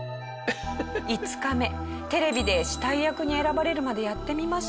「５日目テレビで死体役に選ばれるまでやってみました」